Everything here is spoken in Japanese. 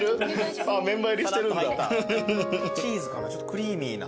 チーズかなちょっとクリーミーな。